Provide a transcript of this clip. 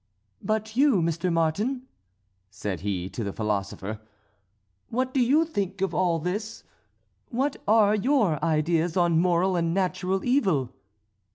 "But you, Mr. Martin," said he to the philosopher, "what do you think of all this? what are your ideas on moral and natural evil?"